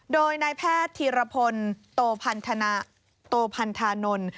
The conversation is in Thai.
โดยนายแพทย์ธีรพลโตพันธานนท์